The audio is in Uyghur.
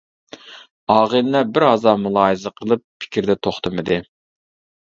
ئاغىنىلەر بىر ھازا مۇلاھىزە قىلىپ پىكىردە توختىمىدى.